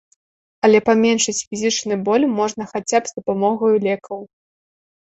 Але паменшыць фізічны боль можна хаця б з дапамогаю лекаў.